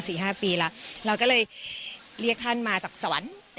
ห้าปีแล้วเราก็เลยเรียกท่านมาจากสวรรค์